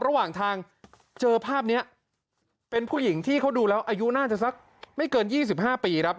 ระหว่างทางเจอภาพนี้เป็นผู้หญิงที่เขาดูแล้วอายุน่าจะสักไม่เกิน๒๕ปีครับ